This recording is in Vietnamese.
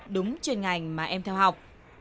đúng chuyên ngành mà em theo học